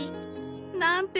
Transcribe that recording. なんて